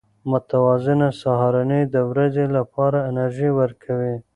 متوازنه سهارنۍ د ورځې لپاره انرژي ورکوي.